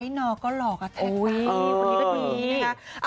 ไอ้นอกก็หลอกอะแท็กซ่า